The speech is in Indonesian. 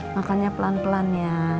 makannya pelan pelan ya